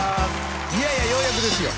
いやいやようやくですよ